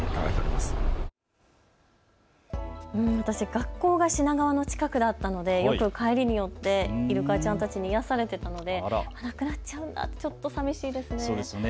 学校が品川の近くだったのでよく帰りに寄って、イルカちゃんたちに癒やされていたのでいなくなっちゃうのちょっとさみしいですけどね。